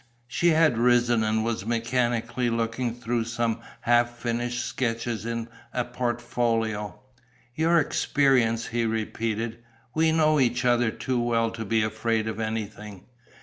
She had risen and was mechanically looking through some half finished sketches in a portfolio. "Your experience," he repeated. "We know each other too well to be afraid of anything."